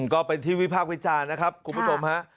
ก็เป็นที่วิพากษ์วิจารณ์นะครับคุณผู้ชมฮะ